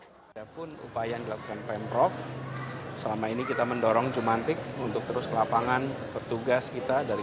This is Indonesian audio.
pemprov dki juga memastikan biaya pengobatan setiap pasien demam berdarah yang berobat di rsud ditanggung oleh pemprov dki